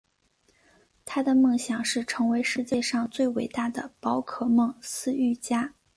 他的梦想是成为世界上最伟大的宝可梦饲育家。